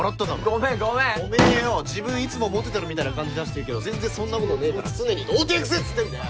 ごめんごめんおめえよお自分いつもモテてるみたいな感じ出してるけど全然そんなことねえから常に童貞臭えっつってんだよ！